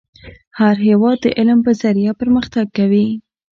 هر هیواد د علم په ذریعه پرمختګ کوي .